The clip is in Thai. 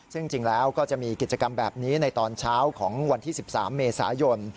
ซึ่งจริงแล้วก็จะมีกิจกรรมแบบนี้ในตอนเช้าของวันที่๑๓เมษายน